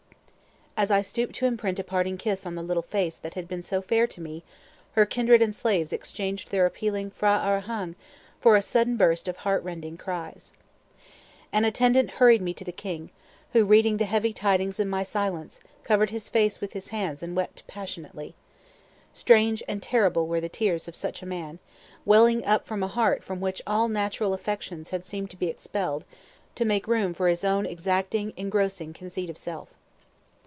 As I stooped to imprint a parting kiss on the little face that had been so fair to me, her kindred and slaves exchanged their appealing "P'hra Arahang" for a sudden burst of heart rending cries. An attendant hurried me to the king, who, reading the heavy tidings in my silence, covered his face with his hands and wept passionately. Strange and terrible were the tears of such a man, welling up from a heart from which all natural affections had seemed to be expelled, to make room for his own exacting, engrossing conceit of self.